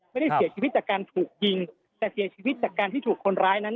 ไม่ได้เสียชีวิตจากการถูกยิงแต่เสียชีวิตจากการที่ถูกคนร้ายนั้น